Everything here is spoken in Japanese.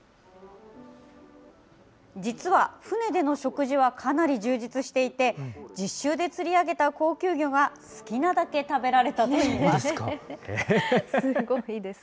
実は、船での食事はかなり充実していて、実習で釣り上げた高級魚が好きなだけ食べられたといいます。